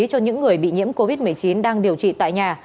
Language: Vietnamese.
cho những người bị nhiễm covid một mươi chín đang điều trị tại nhà